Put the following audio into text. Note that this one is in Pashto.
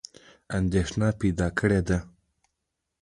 اندېښنه پیدا کړې ده.